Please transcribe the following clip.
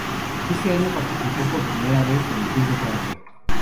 Ese año participó por primera vez en el Tour de Francia.